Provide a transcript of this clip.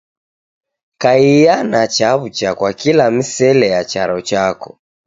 Kaia na chaw'ucha kwa kila misele ya charo chako.